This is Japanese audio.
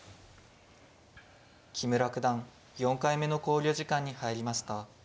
木村九段４回目の考慮時間に入りました。